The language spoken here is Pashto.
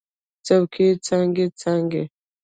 څوکې یې څانګې، څانګې